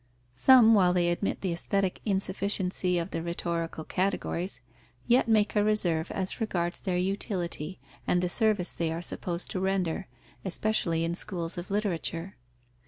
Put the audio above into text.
_ Some, while they admit the aesthetic insufficiency of the rhetorical categories, yet make a reserve as regards their utility and the service they are supposed to render, especially in schools of literature.